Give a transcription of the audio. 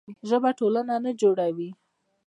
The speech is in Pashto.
ژبه ټولنه نه جوړوي.